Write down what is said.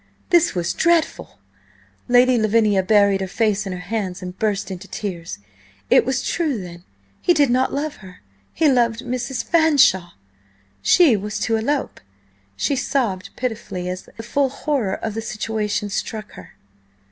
.." This was dreadful! Lady Lavinia buried her face in her hands and burst into tears. It was true then–he did not love her–he loved Mrs. Fanshawe–she was to elope. She sobbed pitifully as the full horror of the situation struck her.